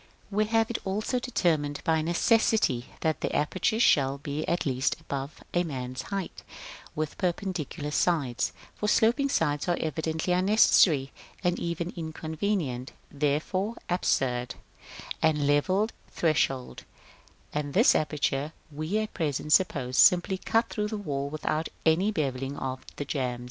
§ III. We have it also determined by necessity, that the apertures shall be at least above a man's height, with perpendicular sides (for sloping sides are evidently unnecessary, and even inconvenient, therefore absurd) and level threshold; and this aperture we at present suppose simply cut through the wall without any bevelling of the jambs.